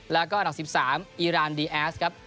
แล้วก็อันดับ๑๓อีรานดีแอสครับ